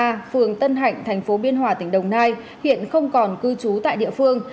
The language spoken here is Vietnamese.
phường tân hạnh tp biên hòa tỉnh đồng nai hiện không còn cư trú tại địa phương